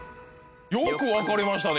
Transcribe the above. よく分かりましたね